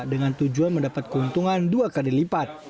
dengan tujuan mendapat keuntungan dua kali lipat